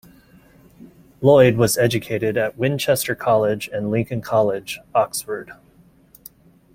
Lloyd was educated at Winchester College and Lincoln College, Oxford.